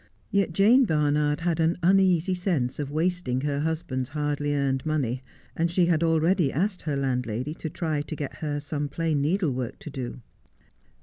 Yet Jane Barnard had an uneasy sense of casting her husband's hardly earned money, and she had already asked her landlady to try to get her some plain needle work to do.